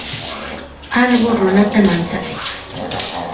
Alluqu runata manchatsin.